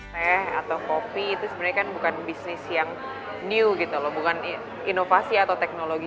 teh atau kopi itu sebenarnya kan bukan bisnis yang new gitu loh bukan inovasi atau teknologi